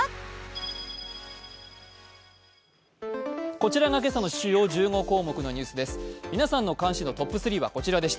こちらが今朝の主要１５項目のニュースです。